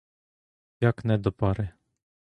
Як не до пари?